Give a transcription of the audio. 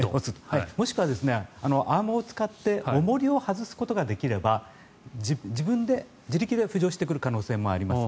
もしくは、アームを使って重りを外すことができれば自分で自力で浮上してくる可能性もあります。